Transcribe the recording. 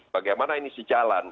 bagaimana ini sejalan